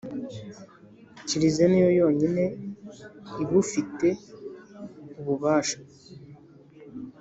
Kiliziya niyo yonyine ibufite ububasha